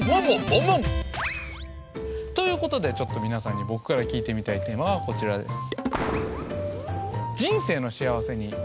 モンモン！ということでちょっと皆さんに僕から聞いてみたいテーマがこちらです。